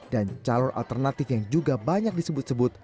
dan calon alternatif yang juga banyak disebut sebut